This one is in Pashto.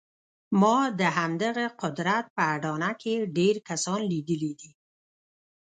ما د همدغه قدرت په اډانه کې ډېر کسان لیدلي دي